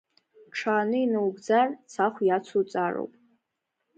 Ҽааны инаугӡар цахә иацуҵароуп!